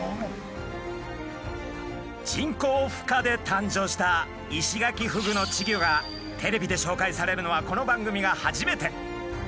人工ふ化で誕生したイシガキフグの稚魚がテレビで紹介されるのはこの番組が初めて。